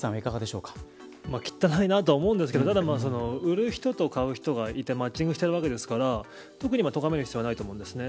汚いなとは思うんですけど売る人と買う人がいてマッチングしてるわけですから特にとがめる必要はないと思うんですね。